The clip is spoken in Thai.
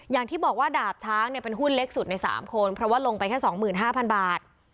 อย่างที่บอกว่าดาบช้างเป็นหุ้นเล็กสุดใน๓คนเพราะว่าลงไปแค่๒๕๐๐บาท